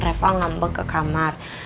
reva ngambek ke kamar